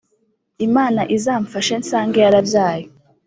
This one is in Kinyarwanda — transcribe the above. Imana izamfashe nsange yarabyaye